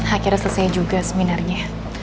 akhirnya selesai juga seminarnya